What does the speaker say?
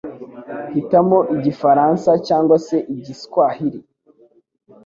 hitamo Igifaransa cyangwa igiswahiri